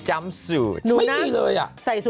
เจอกันยังไง